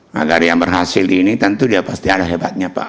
nah dari yang berhasil ini tentu dia pasti ada hebatnya pak